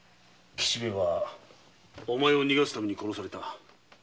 吉兵衛はお前を逃がすために殺された。